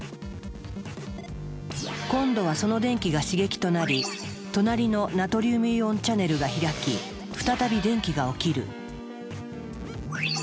今度はその電気が刺激となり隣のナトリウムイオンチャネルが開き再び電気が起きる。